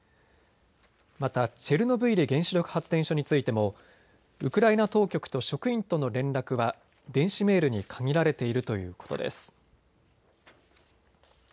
またチェルノブイリ原子力発電所についてもウクライナ当局と職員との連絡は電子メールに限られているということです。